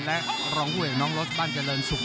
และรองผู้เอกน้องรถบ้านเจริญศุกร์